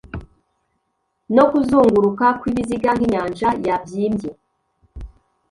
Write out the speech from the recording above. no kuzunguruka kw'ibiziga, Nk'inyanja yabyimbye,